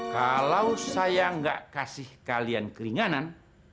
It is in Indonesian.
kalau saya nggak kasih kalian keringanan